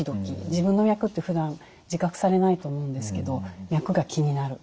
自分の脈ってふだん自覚されないと思うんですけど脈が気になる。